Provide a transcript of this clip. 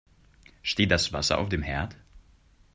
Steht das Wasser auf dem Herd?